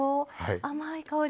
甘い香り。